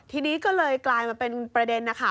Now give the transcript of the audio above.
ทีนี้ก็เลยกลายมาเป็นประเด็นนะคะ